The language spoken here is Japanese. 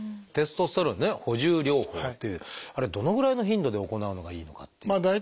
テストステロン補充療法っていうあれどのぐらいの頻度で行うのがいいのかっていう。